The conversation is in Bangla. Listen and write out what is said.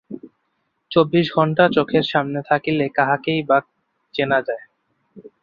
চব্বিশ ঘণ্টা চোখের সামনে থাকিলে কাহাকেই বা না চিনা যায়?